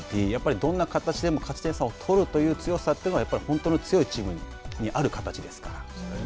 どんな形でも勝ち点差を取るという強さが本当の強いチームにある形ですから。